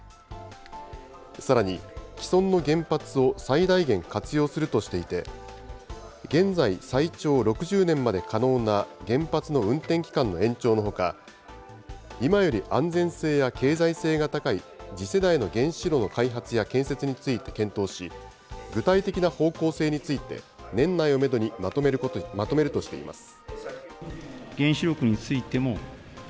さらに既存の原発を最大限活用するとしていて、現在、最長６０年まで可能な原発の運転期間の延長のほか、今より安全性や経済性が高い次世代の原子炉の開発や建設について検討し、具体的な方向性について、年内をメドにまとめるとしています。